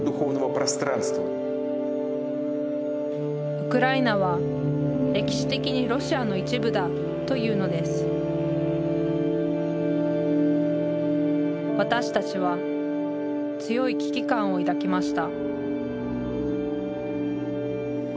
「ウクライナは歴史的にロシアの一部だ」というのです私たちは強い危機感を抱きました